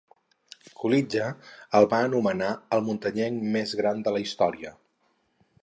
Coolidge el va anomenar "el muntanyenc més gran de la història".